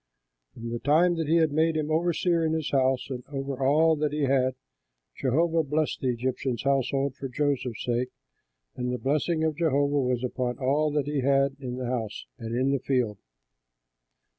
From the time that he made him overseer in his house and over all that he had, Jehovah blessed the Egyptian's household for Joseph's sake, and the blessing of Jehovah was upon all that he had in the house and in the field.